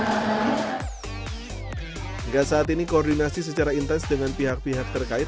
hingga saat ini koordinasi secara intens dengan pihak pihak terkait